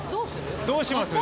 どうします？